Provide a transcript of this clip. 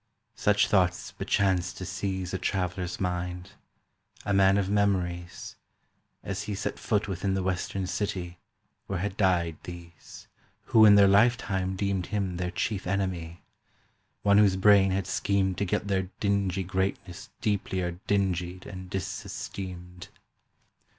—Such thoughts bechanced to seize A traveller's mind—a man of memories— As he set foot within the western city Where had died these Who in their lifetime deemed Him their chief enemy—one whose brain had schemed To get their dingy greatness deeplier dingied And disesteemed.